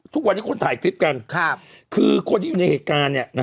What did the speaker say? ทุกวันนี้คนถ่ายคลิปกันคือคนที่อยู่ในเหตุการณ์